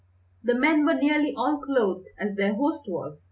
The men were nearly all clothed as their host was.